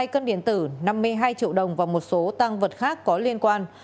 hai cân điện tử năm mươi hai triệu đồng và một số tăng vật khác có liên quan